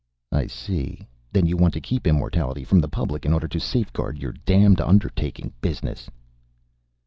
"I see. Then you want to keep immortality from the public in order to safeguard your damned undertaking business!"